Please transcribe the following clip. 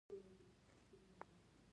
د تراويح لمونځ په جومات کې کیږي.